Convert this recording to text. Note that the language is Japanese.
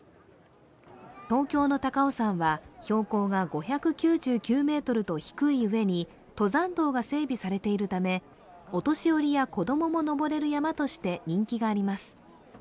東京の高尾山は標高が５９９ｍと低いうえに登山道が整備されているためお年寄りや子供も登れる山として人気があります。